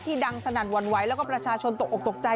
ดังสนั่นหวั่นไหวแล้วก็ประชาชนตกออกตกใจ